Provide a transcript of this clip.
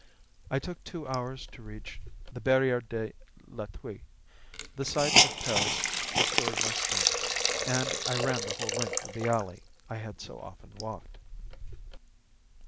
I took two hours to reach the Barrière de l'Étoile. The sight of Paris restored my strength, and I ran the whole length of the alley I had so often walked.